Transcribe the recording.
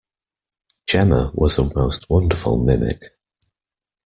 Jemma was a most wonderful mimic.